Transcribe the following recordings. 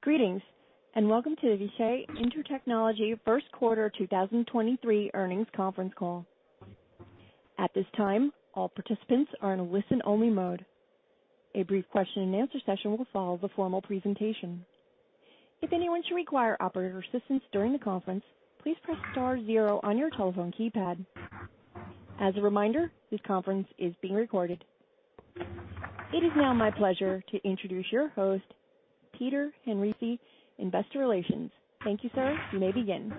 Greetings, welcome to the Vishay Intertechnology first quarter 2023 earnings conference call. At this time, all participants are in listen only mode. A brief question and answer session will follow the formal presentation. If anyone should require operator assistance during the conference, please press star zero on your telephone keypad. As a reminder, this conference is being recorded. It is now my pleasure to introduce your host, Peter Henrici, Investor Relations. Thank you, sir. You may begin.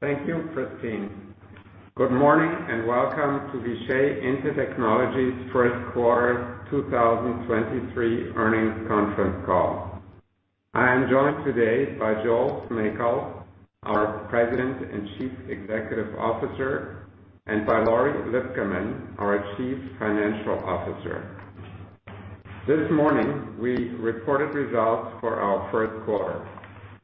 Thank you, Christine. Good morning and welcome to Vishay Intertechnology's first quarter 2023 earnings conference call. I am joined today by Joel Smejkal, our President and Chief Executive Officer, and by Lori Lipcaman, our Chief Financial Officer. This morning, we reported results for our first quarter.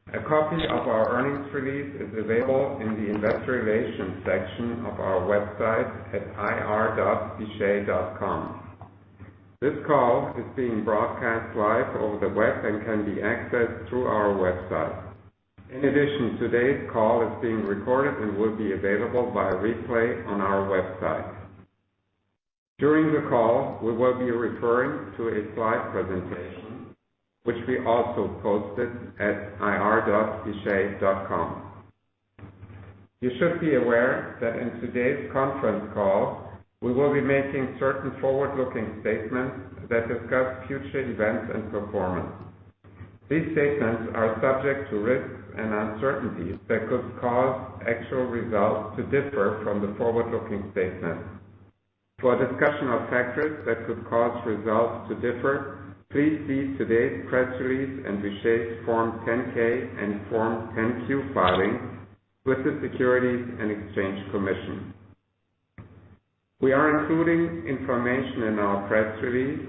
A copy of our earnings release is available in the investor relations section of our website at ir.vishay.com. This call is being broadcast live over the web and can be accessed through our website. In addition, today's call is being recorded and will be available via replay on our website. During the call, we will be referring to a slide presentation which we also posted at ir.vishay.com. You should be aware that in today's conference call we will be making certain forward-looking statements that discuss future events and performance. These statements are subject to risks and uncertainties that could cause actual results to differ from the forward-looking statements. For a discussion of factors that could cause results to differ, please see today's press release and Vishay's Form 10-K and Form 10-Q filings with the Securities and Exchange Commission. We are including information in our press release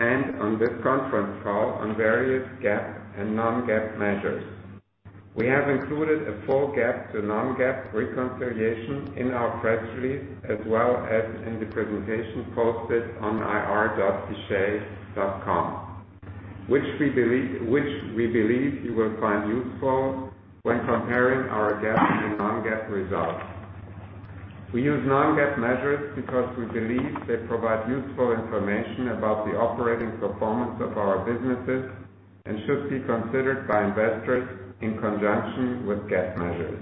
and on this conference call on various GAAP and non-GAAP measures. We have included a full GAAP to non-GAAP reconciliation in our press release as well as in the presentation posted on ir.vishay.com, which we believe you will find useful when comparing our GAAP to non-GAAP results. We use non-GAAP measures because we believe they provide useful information about the operating performance of our businesses and should be considered by investors in conjunction with GAAP measures.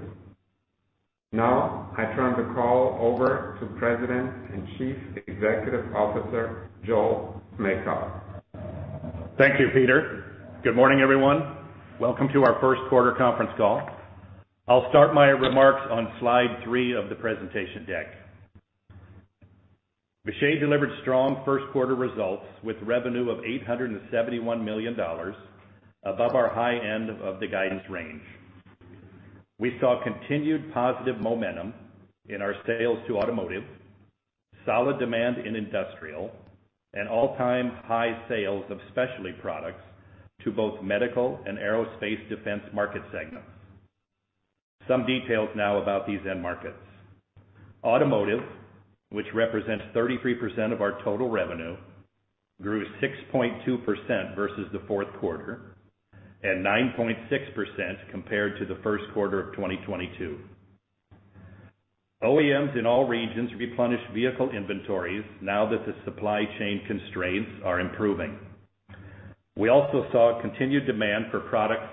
I turn the call over to President and Chief Executive Officer, Joel Smejkal. Thank you, Peter. Good morning, everyone. Welcome to our first quarter conference call. I'll start my remarks on slide three of the presentation deck. Vishay delivered strong first quarter results with revenue of $871 million above our high end of the guidance range. We saw continued positive momentum in our sales to automotive, solid demand in industrial, and all-time high sales of specialty products to both medical and aerospace defense market segments. Some details now about these end markets. Automotive, which represents 33% of our total revenue, grew 6.2% versus the fourth quarter and 9.6% compared to the first quarter of 2022. OEMs in all regions replenished vehicle inventories now that the supply chain constraints are improving. We also saw continued demand for products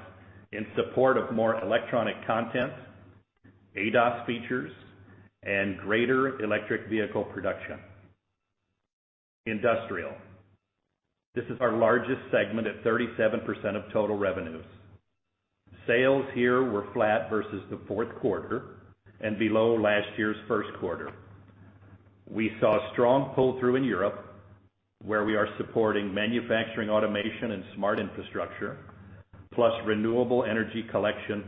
in support of more electronic content, ADAS features, and greater electric vehicle production. Industrial. This is our largest segment at 37% of total revenues. Sales here were flat versus the fourth quarter and below last year's first quarter. We saw strong pull through in Europe, where we are supporting manufacturing, automation and smart infrastructure, plus renewable energy collection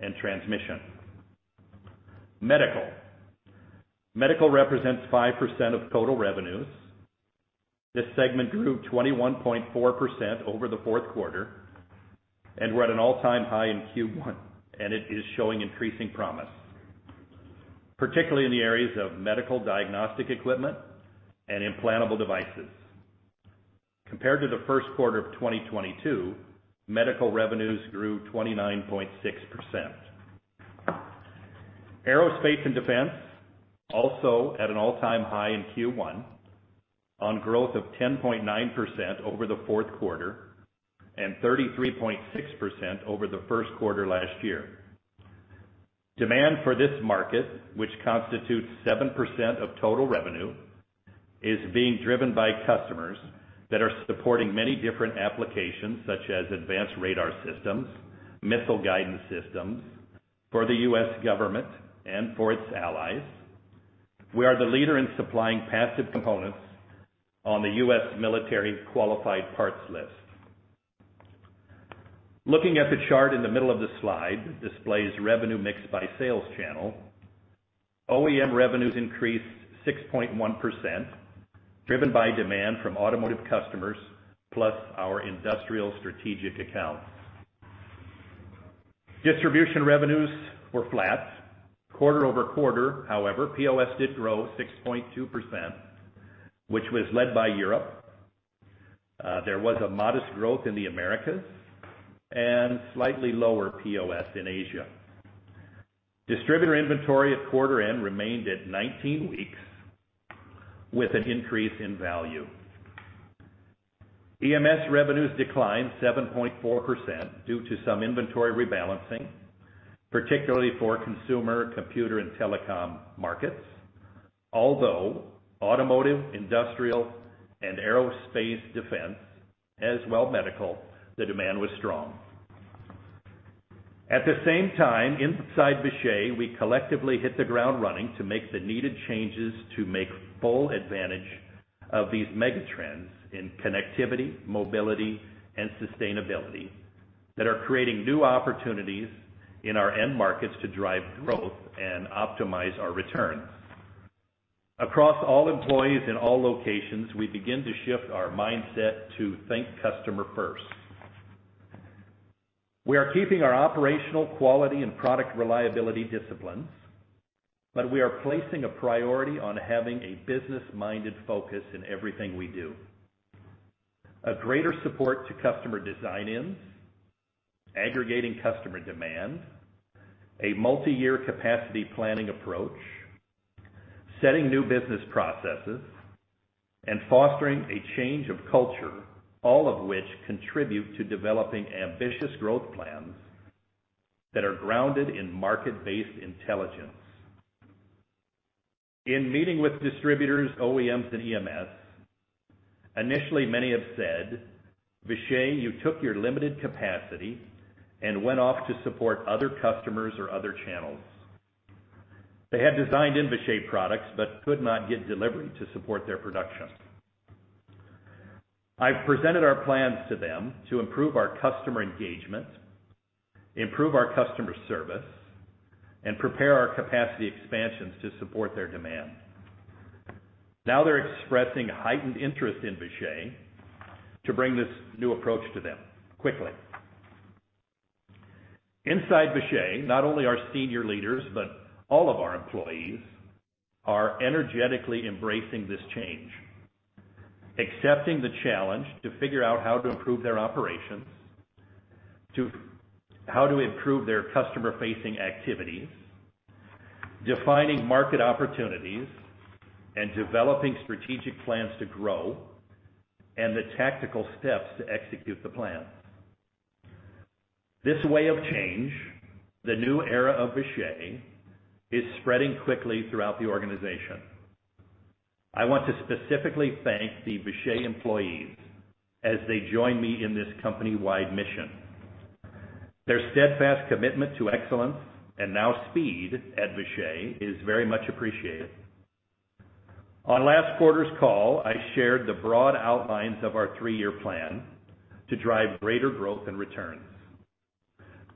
and transmission. Medical. Medical represents 5% of total revenues. This segment grew 21.4% over the fourth quarter. We're at an all-time high in Q1, and it is showing increasing promise, particularly in the areas of medical diagnostic equipment and implantable devices. Compared to the first quarter of 2022, medical revenues grew 29.6%. Aerospace and Defense also at an all-time high in Q1 on growth of 10.9% over the fourth quarter and 33.6% over the first quarter last year. Demand for this market, which constitutes 7% of total revenue, is being driven by customers that are supporting many different applications, such as advanced radar systems, missile guidance systems for the U.S. government and for its allies. We are the leader in supplying passive components on the U.S. military Qualified Products List. Looking at the chart in the middle of the slide displays revenue mixed by sales channel. OEM revenues increased 6.1%, driven by demand from automotive customers plus our industrial strategic accounts. Distribution revenues were flat quarter-over-quarter. However, POS did grow 6.2%, which was led by Europe. There was a modest growth in the Americas and slightly lower POS in Asia. Distributor inventory at quarter end remained at 19 weeks with an increase in value. EMS revenues declined 7.4% due to some inventory rebalancing, particularly for consumer, computer, and telecom markets. Automotive, Industrial, and aerospace Defense as well Medical, the demand was strong. At the same time, inside Vishay, we collectively hit the ground running to make the needed changes to make full advantage of these mega trends in connectivity, mobility, and sustainability that are creating new opportunities in our end markets to drive growth and optimize our returns. Across all employees in all locations, we begin to shift our mindset to think customer first. We are keeping our operational quality and product reliability disciplines, we are placing a priority on having a business-minded focus in everything we do. A greater support to customer design-ins, aggregating customer demand, a multi-year capacity planning approach, setting new business processes, and fostering a change of culture, all of which contribute to developing ambitious growth plans that are grounded in market-based intelligence. In meeting with distributors, OEMs, and EMS, initially, many have said, "Vishay, you took your limited capacity and went off to support other customers or other channels." They had designed in Vishay products but could not get delivery to support their production. I've presented our plans to them to improve our customer engagement, improve our customer service, and prepare our capacity expansions to support their demand. Now they're expressing heightened interest in Vishay to bring this new approach to them quickly. Inside Vishay, not only our senior leaders, but all of our employees are energetically embracing this change, accepting the challenge to figure out how to improve their operations, how to improve their customer-facing activities, defining market opportunities, and developing strategic plans to grow and the tactical steps to execute the plans. This way of change, the new era of Vishay, is spreading quickly throughout the organization. I want to specifically thank the Vishay employees as they join me in this company-wide mission. Their steadfast commitment to excellence and now speed at Vishay is very much appreciated. On last quarter's call, I shared the broad outlines of our three-year plan to drive greater growth and returns.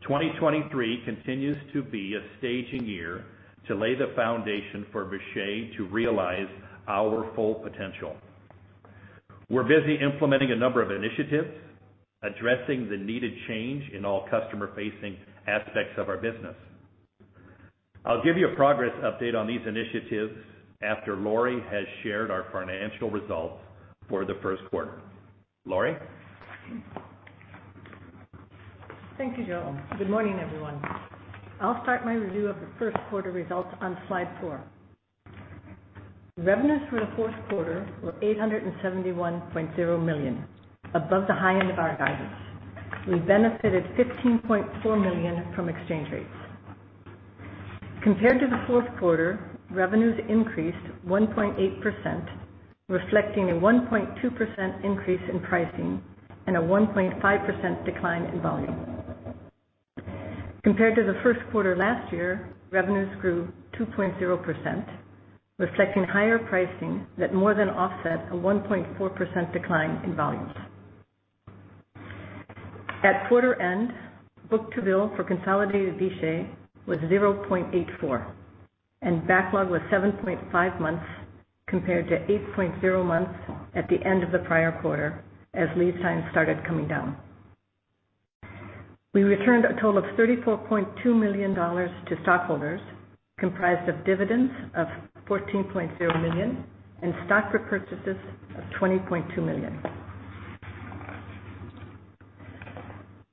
2023 continues to be a staging year to lay the foundation for Vishay to realize our full potential. We're busy implementing a number of initiatives, addressing the needed change in all customer-facing aspects of our business. I'll give you a progress update on these initiatives after Lori has shared our financial results for the first quarter. Lori? Thank you, Joe. Good morning, everyone. I'll start my review of the first quarter results on slide five. Revenues for the fourth quarter were $871.0 million, above the high end of our guidance. We benefited $15.4 million from exchange rates. Compared to the fourth quarter, revenues increased 1.8%, reflecting a 1.2% increase in pricing and a 1.5% decline in volume. Compared to the first quarter last year, revenues grew 2.0%, reflecting higher pricing that more than offset a 1.4% decline in volumes. At quarter end, book-to-bill for consolidated Vishay was 0.84, and backlog was 7.5 months compared to 8.0 months at the end of the prior quarter as lead times started coming down. We returned a total of $34.2 million to stockholders, comprised of dividends of $14.0 million and stock repurchases of $20.2 million.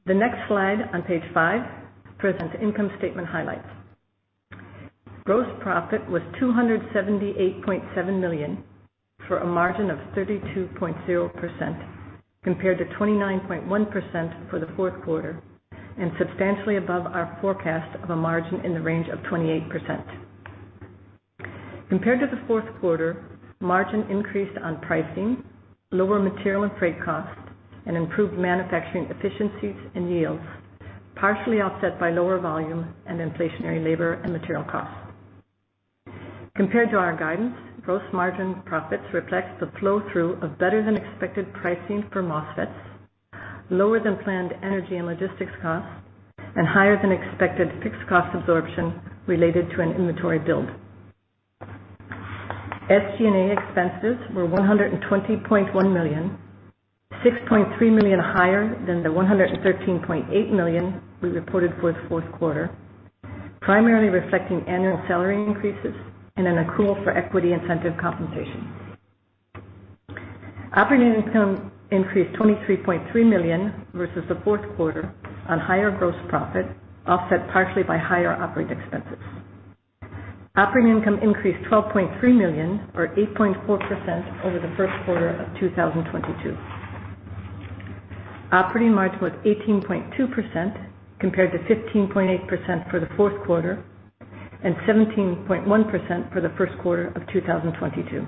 The next slide on page five presents income statement highlights. Gross profit was $278.7 million, for a margin of 32.0% compared to 29.1% for the fourth quarter and substantially above our forecast of a margin in the range of 28%. Compared to the fourth quarter, margin increased on pricing, lower material and freight costs, and improved manufacturing efficiencies and yields, partially offset by lower volume and inflationary labor and material costs. Compared to our guidance, gross margin profits reflect the flow-through of better-than-expected pricing for MOSFETs, lower-than-planned energy and logistics costs, and higher-than-expected fixed cost absorption related to an inventory build. SG&A expenses were $120.1 million, $6.3 million higher than the $113.8 million we reported for the fourth quarter, primarily reflecting annual salary increases and an accrual for equity incentive compensation. Operating income increased $23.3 million versus the fourth quarter on higher gross profit, offset partially by higher operating expenses. Operating income increased $12.3 million or 8.4% over the first quarter of 2022. Operating margin was 18.2% compared to 15.8% for the fourth quarter and 17.1% for the first quarter of 2022.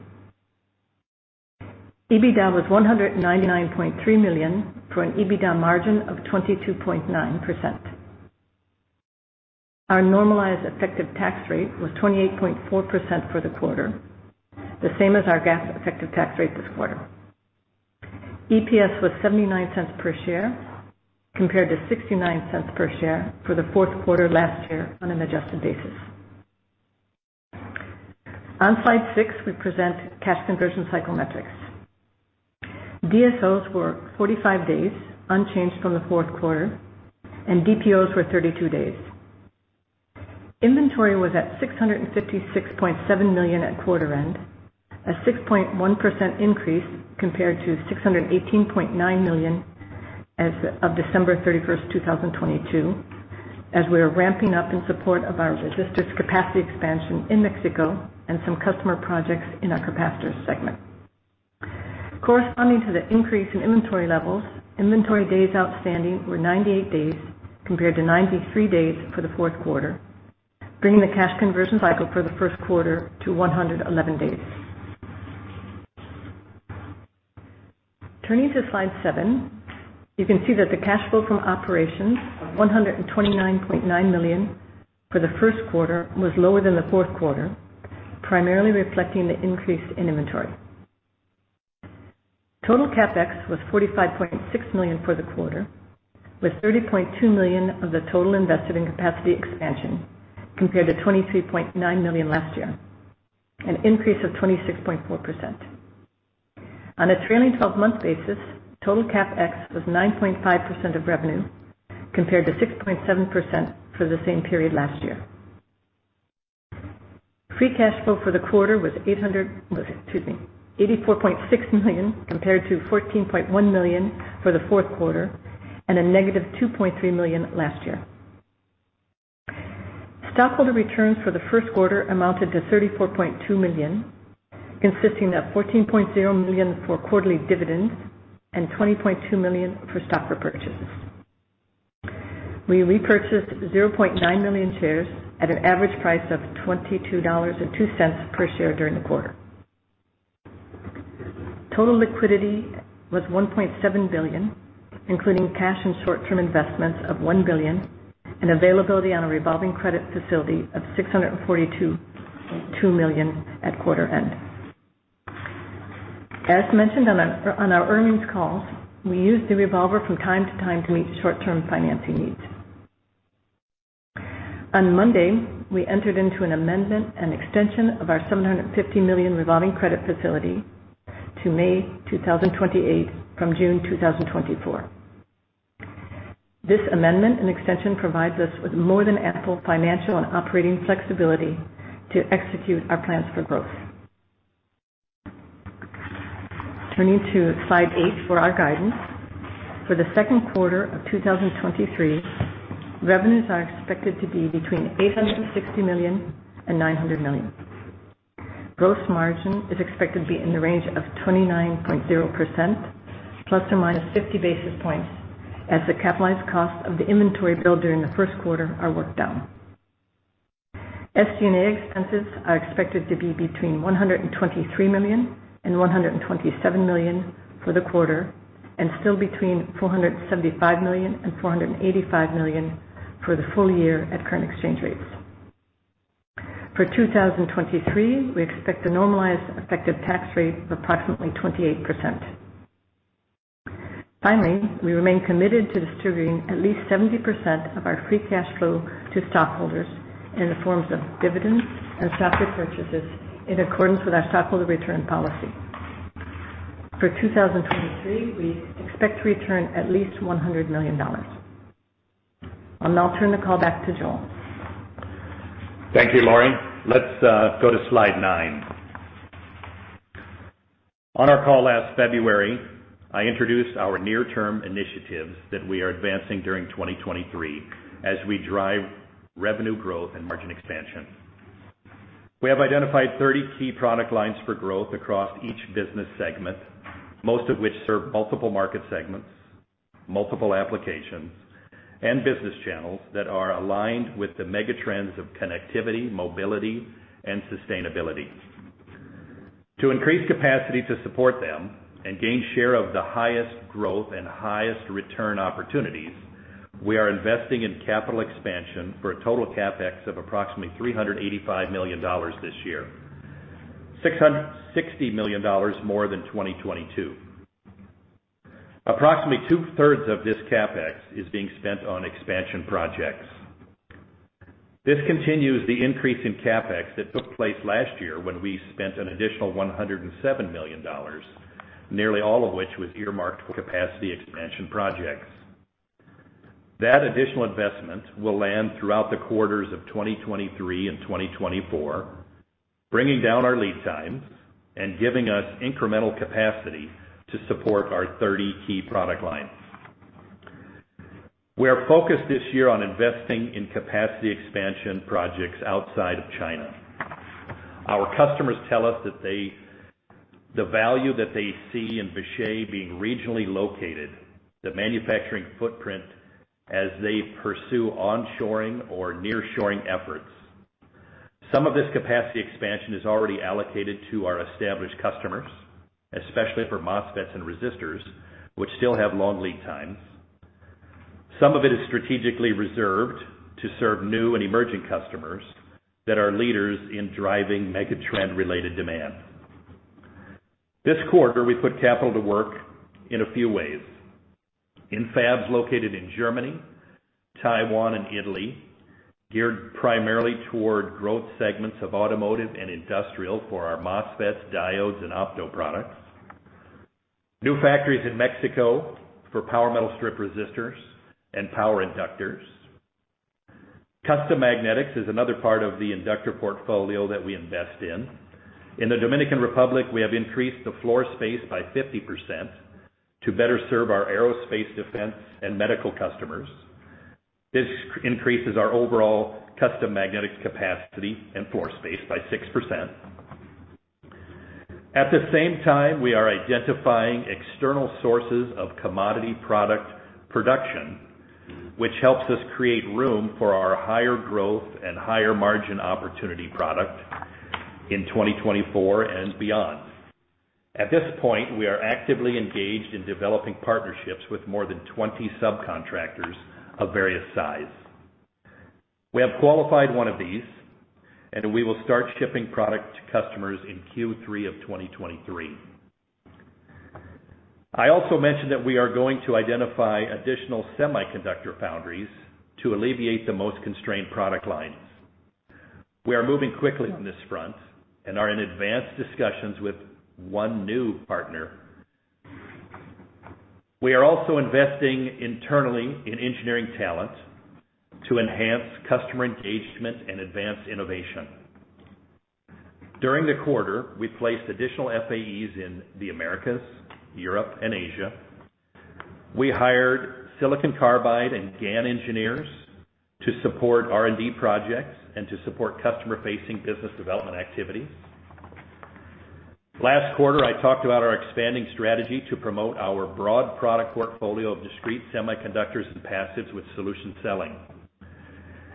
EBITDA was $199.3 million for an EBITDA margin of 22.9%. Our normalized effective tax rate was 28.4% for the quarter, the same as our GAAP effective tax rate this quarter. EPS was $0.79 per share compared to $0.69 per share for the fourth quarter last year on an adjusted basis. On slide six, we present cash conversion cycle metrics. DSOs were 45 days, unchanged from the fourth quarter, and DPOs were 32 days. Inventory was at $656.7 million at quarter end, a 6.1% increase compared to $618.9 million as of December 31st, 2022, as we are ramping up in support of our resistors capacity expansion in Mexico and some customer projects in our capacitors segment. Corresponding to the increase in inventory levels, inventory days outstanding were 98 days compared to 93 days for the fourth quarter, bringing the cash conversion cycle for the first quarter to 111 days. Turning to slide seven, you can see that the cash flow from operations of $129.9 million for the first quarter was lower than the fourth quarter, primarily reflecting the increase in inventory. Total CapEx was $45.6 million for the quarter, with $30.2 million of the total invested in capacity expansion compared to $23.9 million last year, an increase of 26.4%. On a trailing twelve-month basis, total CapEx was 9.5% of revenue compared to 6.7% for the same period last year. Free cash flow for the quarter was $84.6 million compared to $14.1 million for the fourth quarter and a negative $2.3 million last year. Stockholder returns for the first quarter amounted to $34.2 million, consisting of $14.0 million for quarterly dividends and $20.2 million for stock repurchases. We repurchased 0.9 million shares at an average price of $22.02 per share during the quarter. Total liquidity was $1.7 billion, including cash and short-term investments of $1 billion and availability on a revolving credit facility of $642 million at quarter end. As mentioned on our earnings call, we use the revolver from time to time to meet short-term financing needs. On Monday, we entered into an amendment and extension of our $750 million revolving credit facility to May 2028 from June 2024. This amendment and extension provides us with more than ample financial and operating flexibility to execute our plans for growth. Turning to slide eight for our guidance. For the second quarter of 2023, revenues are expected to be between $860 million and $900 million. Gross margin is expected to be in the range of 29.0% ±50 basis points as the capitalized costs of the inventory build during the first quarter are worked down. SG&A expenses are expected to be between $123 million and $127 million for the quarter, and still between $475 million and $485 million for the full year at current exchange rates. For 2023, we expect a normalized effective tax rate of approximately 28%. Finally, we remain committed to distributing at least 70% of our free cash flow to stockholders in the forms of dividends and stock repurchases in accordance with our stockholder return policy. For 2023, we expect to return at least $100 million. I'll now turn the call back to Joel. Thank you, Laurie. Let's go to slide nine. On our call last February, I introduced our near-term initiatives that we are advancing during 2023 as we drive revenue growth and margin expansion. We have identified 30 key product lines for growth across each business segment, most of which serve multiple market segments, multiple applications, and business channels that are aligned with the mega trends of connectivity, mobility, and sustainability. To increase capacity to support them and gain share of the highest growth and highest return opportunities, we are investing in capital expansion for a total CapEx of approximately $385 million this year. $660 million more than 2022. Approximately 2/3 of this CapEx is being spent on expansion projects. This continues the increase in CapEx that took place last year when we spent an additional $107 million, nearly all of which was earmarked for capacity expansion projects. That additional investment will land throughout the quarters of 2023 and 2024, bringing down our lead times and giving us incremental capacity to support our 30 key product lines. We are focused this year on investing in capacity expansion projects outside of China. Our customers tell us that the value that they see in Vishay being regionally located, the manufacturing footprint as they pursue on-shoring or near-shoring efforts. Some of this capacity expansion is already allocated to our established customers, especially for MOSFETs and Resistors, which still have long lead times. Some of it is strategically reserved to serve new and emerging customers that are leaders in driving megatrend-related demand. This quarter, we put capital to work in a few ways. In fabs located in Germany, Taiwan and Italy, geared primarily toward growth segments of automotive and industrial for our MOSFETs, Diodes, and Opto products. New factories in Mexico for Power Metal Strip Resistors and power inductors. Custom Magnetics is another part of the inductor portfolio that we invest in. In the Dominican Republic, we have increased the floor space by 50% to better serve our Aerospace, Defense, and Medical customers. This increases our overall custom magnetic capacity and floor space by 6%. At the same time, we are identifying external sources of commodity product production, which helps us create room for our higher growth and higher margin opportunity product in 2024 and beyond. At this point, we are actively engaged in developing partnerships with more than 20 subcontractors of various size. We have qualified one of these. We will start shipping product to customers in Q3 of 2023. I also mentioned that we are going to identify additional semiconductor foundries to alleviate the most constrained product lines. We are moving quickly on this front and are in advanced discussions with one new partner. We are also investing internally in engineering talent to enhance customer engagement and advance innovation. During the quarter, we placed additional FAEs in the Americas, Europe, and Asia. We hired silicon carbide and GaN engineers to support R&D projects and to support customer-facing business development activities. Last quarter, I talked about our expanding strategy to promote our broad product portfolio of discrete semiconductors and passives with solution selling.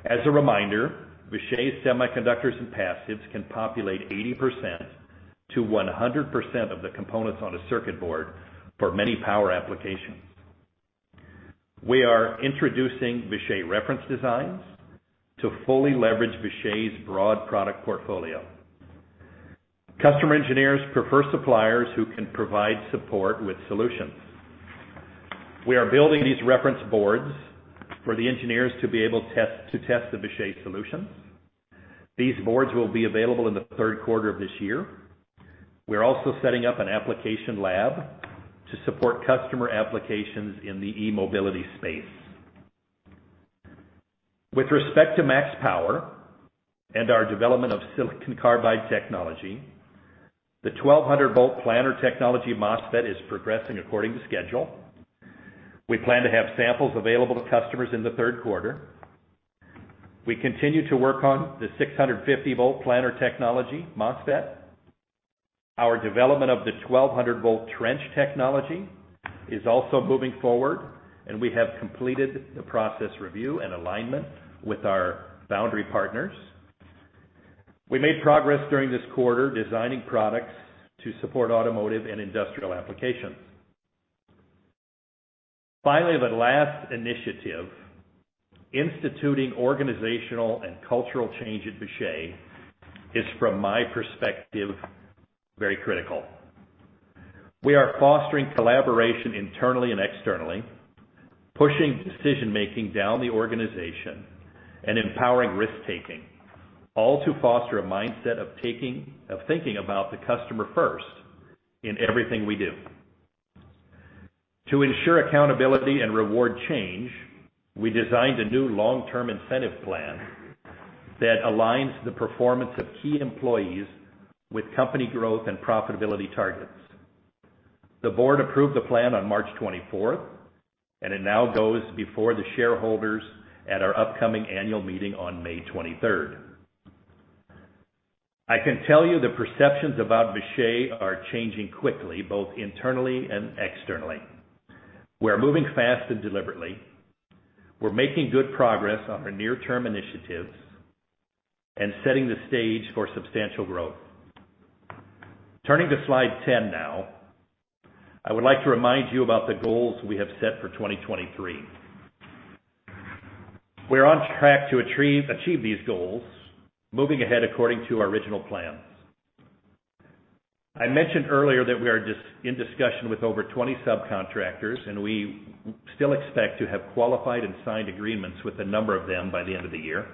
As a reminder, Vishay Semiconductors and Passives can populate 80% to 100% of the components on a circuit board for many power applications. We are introducing Vishay reference designs to fully leverage Vishay's broad product portfolio. Customer engineers prefer suppliers who can provide support with solutions. We are building these reference boards for the engineers to test the Vishay solutions. These boards will be available in the third quarter of this year. We're also setting up an application lab to support customer applications in the e-mobility space. With respect to MaxPower Semiconductor and our development of silicon carbide technology, the 1,200 V planar technology MOSFET is progressing according to schedule. We plan to have samples available to customers in the third quarter. We continue to work on the 650 V planar technology MOSFET. Our development of the 1,200 V trench technology is also moving forward. We have completed the process review and alignment with our foundry partners. We made progress during this quarter designing products to support automotive and industrial applications. The last initiative, instituting organizational and cultural change at Vishay, is, from my perspective, very critical. We are fostering collaboration internally and externally, pushing decision-making down the organization and empowering risk-taking, all to foster a mindset of thinking about the customer first in everything we do. To ensure accountability and reward change, we designed a new long-term incentive plan that aligns the performance of key employees with company growth and profitability targets. The board approved the plan on March 24th, it now goes before the shareholders at our upcoming annual meeting on May 23rd. I can tell you the perceptions about Vishay are changing quickly, both internally and externally. We're moving fast and deliberately. We're making good progress on our near-term initiatives and setting the stage for substantial growth. Turning to slide 10 now, I would like to remind you about the goals we have set for 2023. We're on track to achieve these goals, moving ahead according to our original plans. I mentioned earlier that we are just in discussion with over 20 subcontractors, and we still expect to have qualified and signed agreements with a number of them by the end of the year.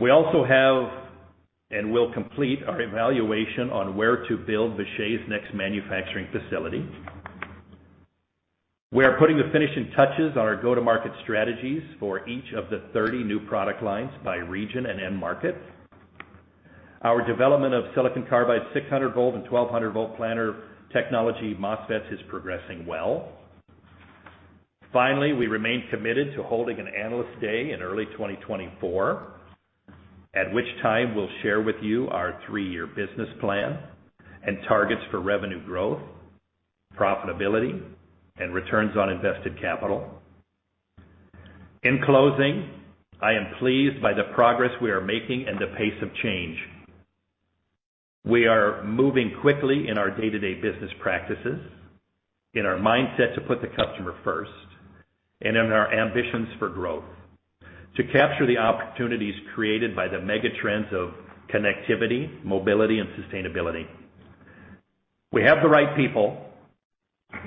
We also have, and will complete our evaluation on where to build Vishay's next manufacturing facility. We are putting the finishing touches on our go-to-market strategies for each of the 30 new product lines by region and end market. Our development of silicon carbide 600 V and 1,200 V planar technology MOSFETs is progressing well. Finally, we remain committed to holding an Analyst Day in early 2024, at which time we'll share with you our three-year business plan and targets for revenue growth, profitability, and returns on invested capital. In closing, I am pleased by the progress we are making and the pace of change. We are moving quickly in our day-to-day business practices, in our mindset to put the customer first, and in our ambitions for growth to capture the opportunities created by the mega trends of connectivity, mobility, and sustainability. We have the right people,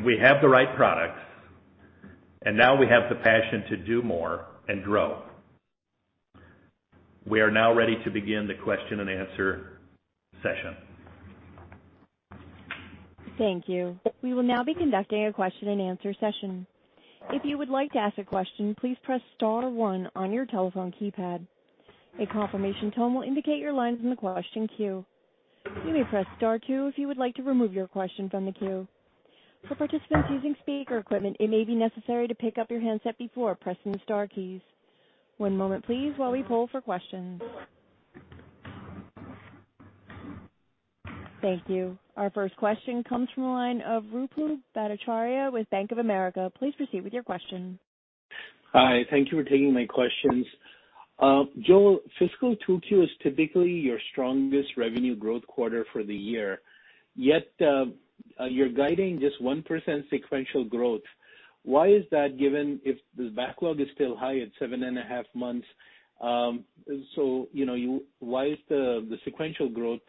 we have the right products, and now we have the passion to do more and grow. We are now ready to begin the question and answer session. Thank you. We will now be conducting a question and answer session. If you would like to ask a question, please press Star One on your telephone keypad. A confirmation tone will indicate your line is in the question queue. You may press Star Two if you would like to remove your question from the queue. For participants using speaker equipment, it may be necessary to pick up your handset before pressing the star keys. One moment please while we poll for questions. Thank you. Our first question comes from the line of Ruplu Bhattacharya with Bank of America. Please proceed with your question. Thank you for taking my questions. Joel, fiscal 2Q is typically your strongest revenue growth quarter for the year, yet, you're guiding just 1% sequential growth. Why is that given if the backlog is still high at seven and a half months? You know, why is the sequential growth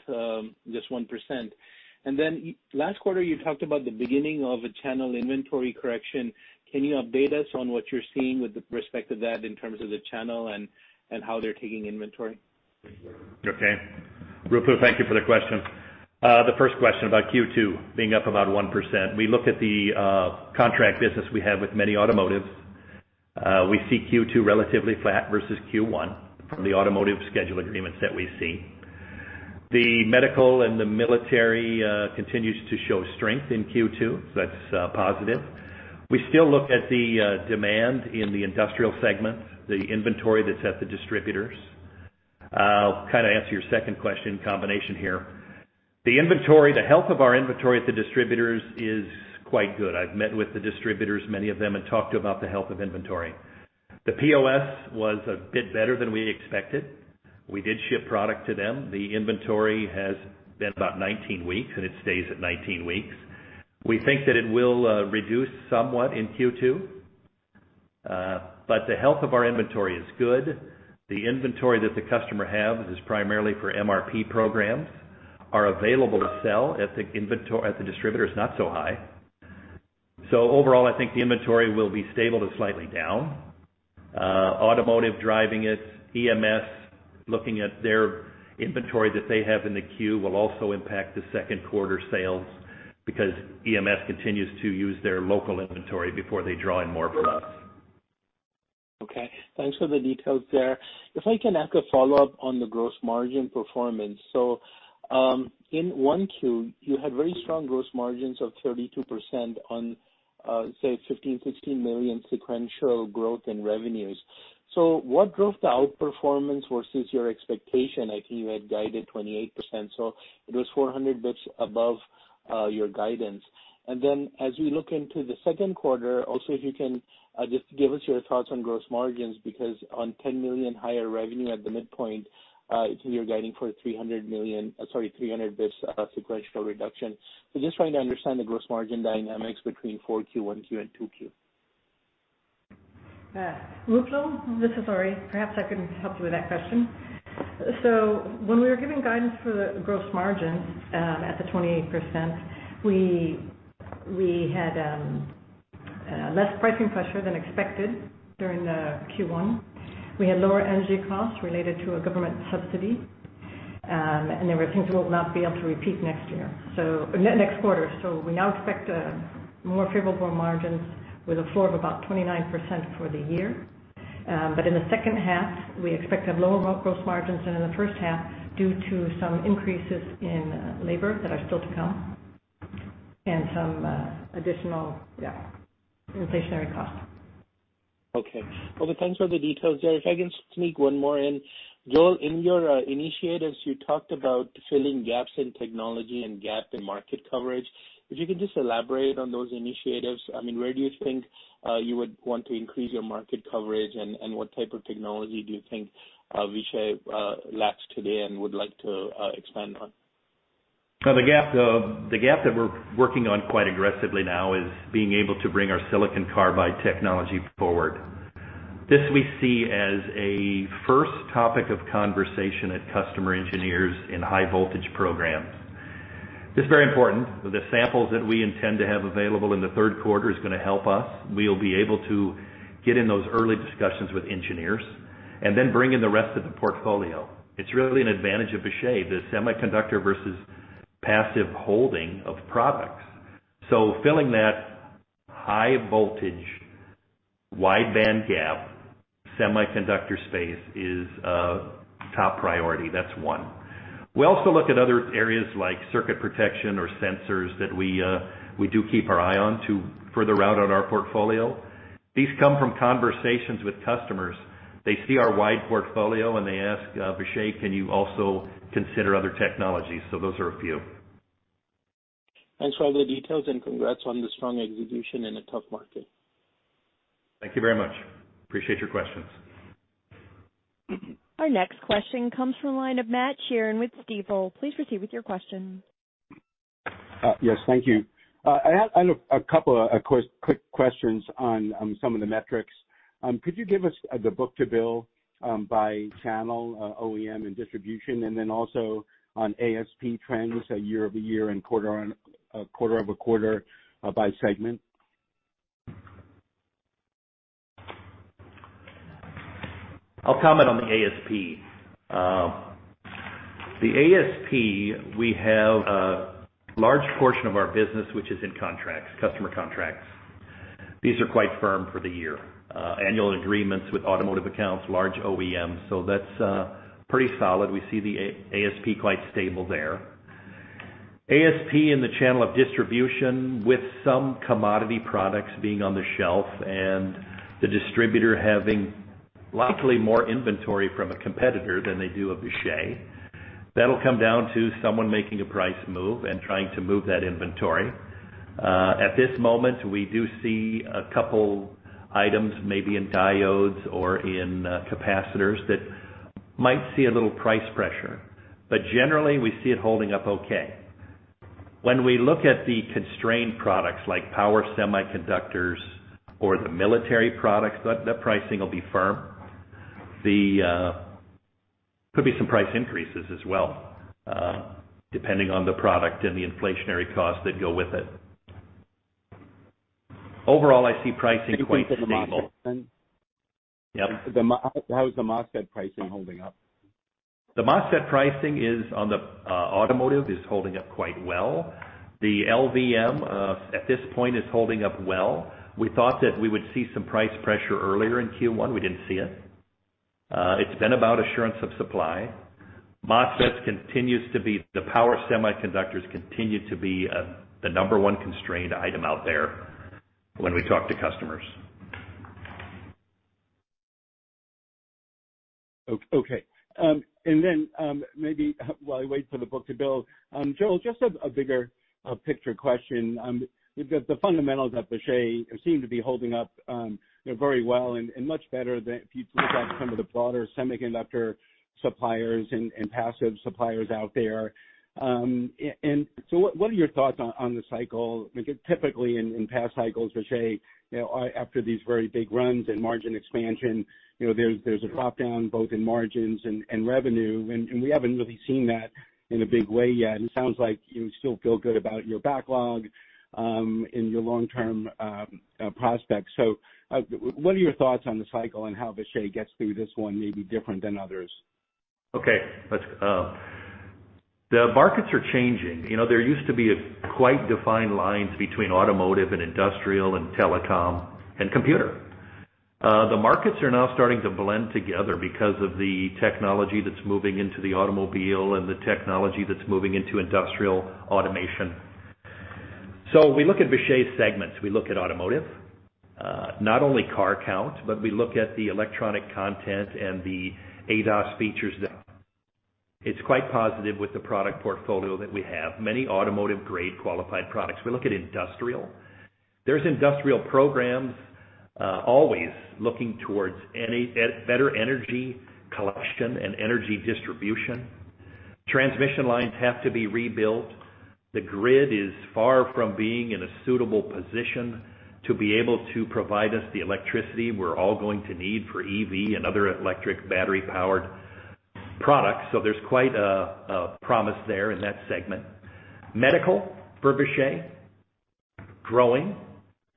just 1%? Last quarter, you talked about the beginning of a channel inventory correction. Can you update us on what you're seeing with respect to that in terms of the channel and how they're taking inventory? Okay. Ruplu, thank you for the question. The first question about Q2 being up about 1%. We look at the contract business we have with many automotives. We see Q2 relatively flat versus Q1 from the automotive schedule agreements that we see. The medical and the military continues to show strength in Q2, that's positive. We still look at the demand in the industrial segment, the inventory that's at the distributors. I'll kind of answer your second question combination here. The inventory, the health of our inventory at the distributors is quite good. I've met with the distributors, many of them, and talked about the health of inventory. The POS was a bit better than we expected. We did ship product to them. The inventory has been about 19 weeks, and it stays at 19 weeks. We think that it will reduce somewhat in Q2. The health of our inventory is good. The inventory that the customer have is primarily for MRP programs, are available to sell at the distributors, not so high. Overall, I think the inventory will be stable to slightly down. Automotive driving it, EMS, looking at their inventory that they have in the queue will also impact the second quarter sales because EMS continues to use their local inventory before they draw in more from us. Okay. Thanks for the details there. If I can ask a follow-up on the gross margin performance. In 1Q, you had very strong gross margins of 32% on, say, $15 million-$16 million sequential growth in revenues. What drove the outperformance versus your expectation? I think you had guided 28%, so it was 400 bits above your guidance. As we look into the 2Q, also, if you can, just give us your thoughts on gross margins, because on $10 million higher revenue at the midpoint, you're guiding for $300 million, sorry, 300 bits, sequential reduction. Just trying to understand the gross margin dynamics between 4Q, 1Q, and 2Q. Ruplu, this is Lori. Perhaps I can help you with that question. When we were giving guidance for the gross margin, at the 28%, we had less pricing pressure than expected during the Q1. We had lower energy costs related to a government subsidy, and there were things we'll not be able to repeat next quarter. We now expect more favorable margins with a floor of about 29% for the year. In the second half, we expect to have lower gross margins than in the first half due to some increases in labor that are still to come and some additional, yeah, inflationary costs. Okay. Well, thanks for the details there. If I can sneak one more in. Joel, in your initiatives, you talked about filling gaps in technology and gap in market coverage. If you can just elaborate on those initiatives, I mean, where do you think you would want to increase your market coverage? And what type of technology do you think Vishay lacks today and would like to expand on? The gap that we're working on quite aggressively now is being able to bring our silicon carbide technology forward. This we see as a first topic of conversation at customer engineers in high voltage programs. It's very important. The samples that we intend to have available in the third quarter is gonna help us. We'll be able to get in those early discussions with engineers and then bring in the rest of the portfolio. It's really an advantage of Vishay, the semiconductor versus passive holding of products. Filling that high voltage, wide band gap, semiconductor space is a top priority. That's one. We also look at other areas like circuit protection or sensors that we do keep our eye on to further route out our portfolio. These come from conversations with customers. They see our wide portfolio, they ask, "Vishay, can you also consider other technologies?" Those are a few. Thanks for all the details and congrats on the strong execution in a tough market. Thank you very much. Appreciate your questions. Our next question comes from the line of Matt Sheerin with Stifel. Please proceed with your question. Yes, thank you. I have a couple of course, quick questions on some of the metrics. Could you give us the book-to-bill by channel, OEM and distribution, and then also on ASP trends, so year-over-year and quarter-over-quarter by segment? I'll comment on the ASP. The ASP, we have a large portion of our business which is in contracts, customer contracts. These are quite firm for the year. Annual agreements with automotive accounts, large OEMs, so that's pretty solid. We see the ASP quite stable there. ASP in the channel of distribution with some commodity products being on the shelf and the distributor having likely more inventory from a competitor than they do of Vishay, that'll come down to someone making a price move and trying to move that inventory. At this moment, we do see a couple items, maybe in diodes or in capacitors, that might see a little price pressure, but generally, we see it holding up okay. When we look at the constrained products like power semiconductors or the military products, the pricing will be firm. Could be some price increases as well, depending on the product and the inflationary costs that go with it. Overall, I see pricing quite stable. Increase in the MOSFET then? Yep. How is the MOSFET pricing holding up? The MOSFET pricing is on the automotive is holding up quite well. The LVM, at this point, is holding up well. We thought that we would see some price pressure earlier in Q1. We didn't see it. It's been about assurance of supply. The power semiconductors continue to be the number one constrained item out there when we talk to customers. Okay. Then, maybe while I wait for the book-to-bill, Joel, just a bigger picture question. The fundamentals at Vishay seem to be holding up, you know, very well and much better than if you look out to some of the broader semiconductor suppliers and passive suppliers out there. So what are your thoughts on the cycle? Like, typically in past cycles, Vishay, you know, after these very big runs and margin expansion, you know, there's a dropdown both in margins and revenue, and we haven't really seen that in a big way yet. It sounds like you still feel good about your backlog and your long-term prospects. What are your thoughts on the cycle and how Vishay gets through this one may be different than others? Let's. The markets are changing. You know, there used to be a quite defined lines between automotive and industrial and telecom and computer. The markets are now starting to blend together because of the technology that's moving into the automobile and the technology that's moving into industrial automation. We look at Vishay's segments. We look at automotive, not only car count, but we look at the electronic content and the ADAS features. It's quite positive with the product portfolio that we have, many automotive-grade qualified products. We look at industrial. There's industrial programs, always looking towards any better energy collection and energy distribution. Transmission lines have to be rebuilt. The grid is far from being in a suitable position to be able to provide us the electricity we're all going to need for EV and other electric battery-powered products. There's quite a promise there in that segment. Medical for Vishay, growing.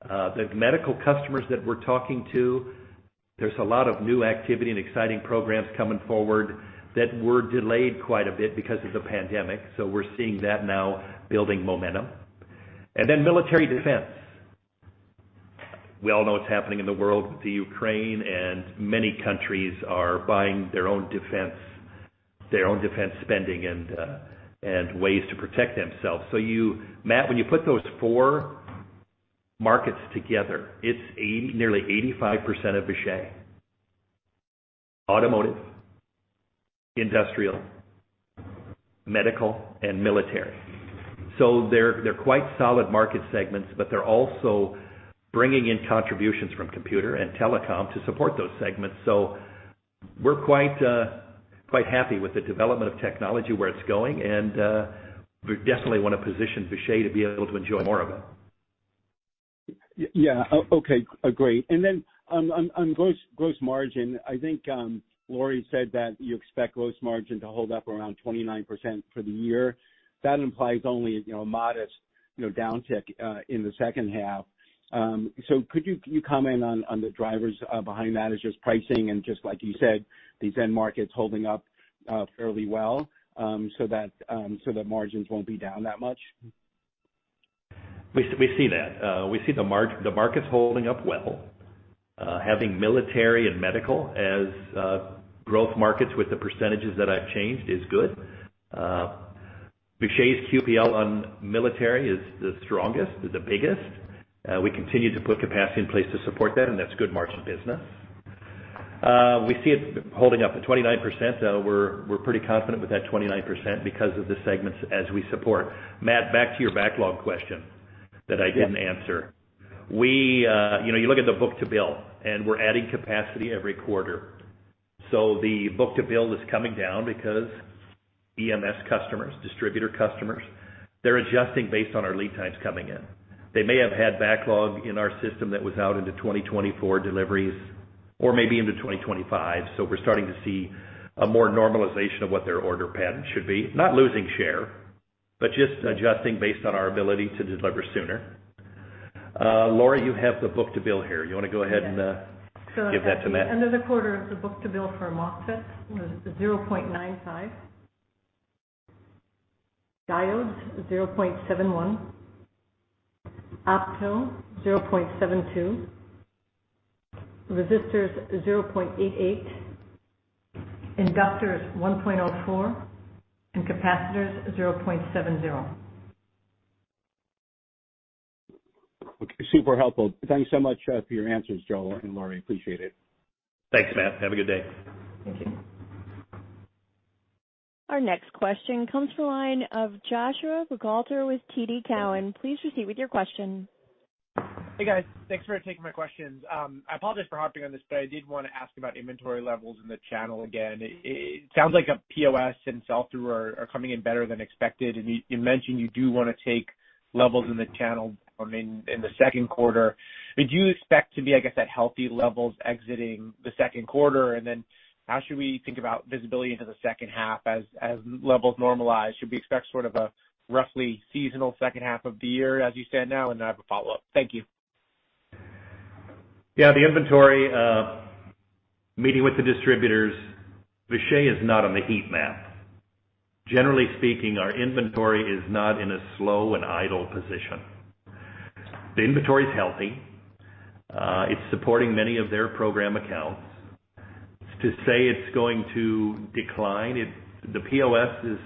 The medical customers that we're talking to, there's a lot of new activity and exciting programs coming forward that were delayed quite a bit because of the pandemic. We're seeing that now building momentum. Then military defense. We all know what's happening in the world with the Ukraine, and many countries are buying their own defense, their own defense spending and ways to protect themselves. You, Matt, when you put those four markets together, it's nearly 85% of Vishay. Automotive, industrial, medical, and military. They're quite solid market segments, but they're also bringing in contributions from computer and telecom to support those segments. We're quite happy with the development of technology, where it's going, and, we definitely wanna position Vishay to be able to enjoy more of it. Yeah. Okay, agree. Then on gross margin, I think Lori said that you expect gross margin to hold up around 29% for the year. That implies only, you know, a modest, you know, downtick in the second half. So could you comment on the drivers behind that as just pricing and just like you said, these end markets holding up fairly well, so that margins won't be down that much? We see that. We see the markets holding up well. Having military and medical as growth markets with the percentages that I've changed is good. Vishay's QPL on military is the strongest, is the biggest. We continue to put capacity in place to support that, and that's good margin business. We see it holding up at 29%. We're pretty confident with that 29% because of the segments as we support. Matt, back to your backlog question that I didn't answer. Yes. You know, you look at the book-to-bill, we're adding capacity every quarter. The book-to-bill is coming down because EMS customers, distributor customers, they're adjusting based on our lead times coming in. They may have had backlog in our system that was out into 2024 deliveries or maybe into 2025. We're starting to see a more normalization of what their order pattern should be. Not losing share, but just adjusting based on our ability to deliver sooner. Lori, you have the book-to-bill here. You wanna go ahead and give that to Matt? At the end of the quarter, the book-to-bill for MOSFET was 0.95. Diodes, 0.71. Opto, 0.72. Resistors, 0.88. Inductors, 1.04, and Capacitors, 0.70. Okay, super helpful. Thanks so much for your answers, Joe and Lori. Appreciate it. Thanks, Matt. Have a good day. Thank you. Our next question comes from the line of Joshua Buchalter with TD Cowen. Please proceed with your question. Hey, guys. Thanks for taking my questions. I apologize for harping on this, but I did wanna ask about inventory levels in the channel again. It sounds like POS and sell-through are coming in better than expected, and you mentioned you do wanna take levels in the channel, I mean, in the second quarter. Did you expect to be, I guess, at healthy levels exiting the second quarter? How should we think about visibility into the second half as levels normalize? Should we expect sort of a roughly seasonal second half of the year as you stand now? I have a follow-up. Thank you. The inventory, meeting with the distributors, Vishay is not on the heat map. Generally speaking, our inventory is not in a slow and idle position. The inventory's healthy. It's supporting many of their program accounts. To say it's going to decline, the POS is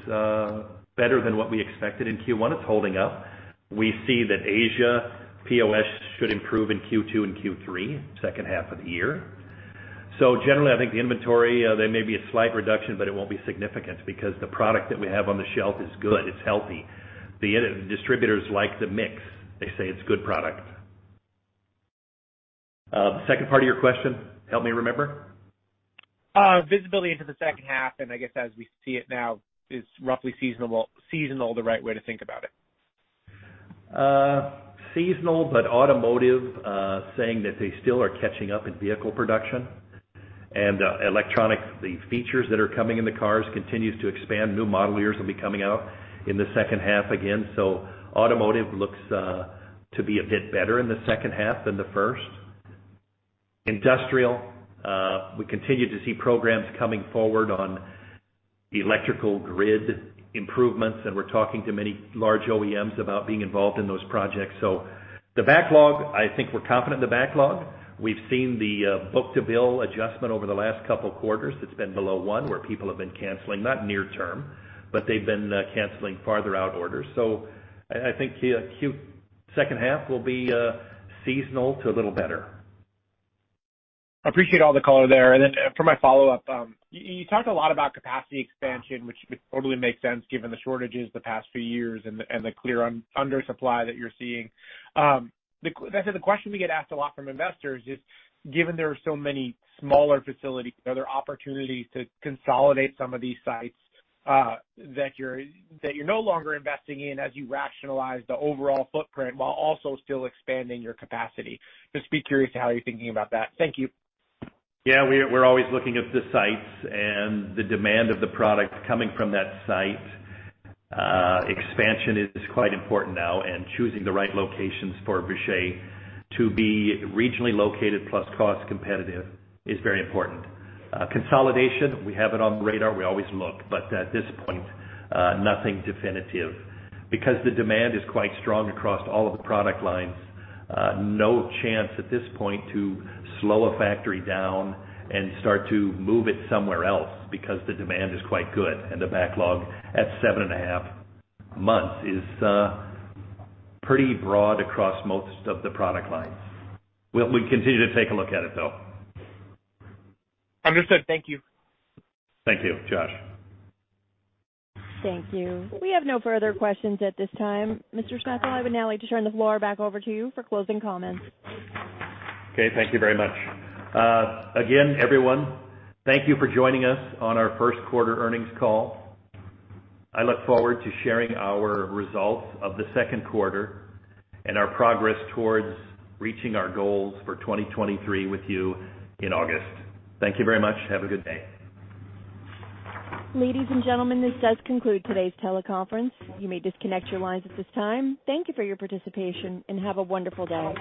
better than what we expected in Q1. It's holding up. We see that Asia POS should improve in Q2 and Q3, second half of the year. Generally, I think the inventory, there may be a slight reduction, but it won't be significant because the product that we have on the shelf is good, it's healthy. The distributors like the mix. They say it's good product. The second part of your question, help me remember. Visibility into the second half, and I guess as we see it now, is roughly seasonal the right way to think about it. Seasonal, but automotive, saying that they still are catching up in vehicle production. Electronic, the features that are coming in the cars continues to expand. New model years will be coming out in the second half again. Automotive looks to be a bit better in the second half than the first. Industrial, we continue to see programs coming forward on electrical grid improvements, and we're talking to many large OEMs about being involved in those projects. The backlog, I think we're confident in the backlog. We've seen the book-to-bill adjustment over the last couple quarters. It's been below one, where people have been canceling, not near term, but they've been canceling farther out orders. I think Q2 second half will be seasonal to a little better. Appreciate all the color there. Then for my follow-up, you talked a lot about capacity expansion, which totally makes sense given the shortages the past few years and the clear undersupply that you're seeing. Actually the question we get asked a lot from investors is, given there are so many smaller facilities, are there opportunities to consolidate some of these sites, that you're no longer investing in as you rationalize the overall footprint while also still expanding your capacity? Just be curious to how you're thinking about that. Thank you. Yeah. We're always looking at the sites and the demand of the product coming from that site. Expansion is quite important now, choosing the right locations for Vishay to be regionally located plus cost competitive is very important. Consolidation, we have it on the radar, we always look. At this point, nothing definitive. The demand is quite strong across all of the product lines, no chance at this point to slow a factory down and start to move it somewhere else because the demand is quite good and the backlog at seven and a half months is pretty broad across most of the product lines. We continue to take a look at it, though. Understood. Thank you. Thank you, Josh. Thank you. We have no further questions at this time. Mr. Smejkal, I would now like to turn the floor back over to you for closing comments. Okay, thank you very much. Again, everyone, thank you for joining us on our first quarter earnings call. I look forward to sharing our results of the second quarter and our progress towards reaching our goals for 2023 with you in August. Thank you very much. Have a good day. Ladies and gentlemen, this does conclude today's teleconference. You may disconnect your lines at this time. Thank you for your participation, and have a wonderful day.